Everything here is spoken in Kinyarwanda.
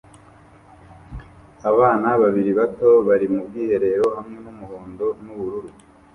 Abana babiri bato bari mu bwiherero hamwe n'umuhondo n'ubururu